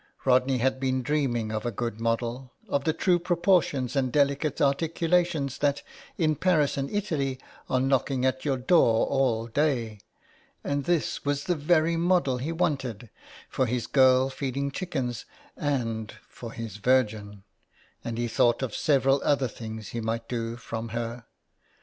Rodney had been dreaming of a good model, of the true proportions and deUcate articulations that in Paris and Italy are knocking at your door all day, and this was the very model he wanted for his girl feeding chickens and for his Virgin, and he thought of several other things he might do from her.